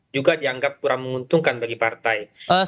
juga dianggap kurang menguntungkan bagi partai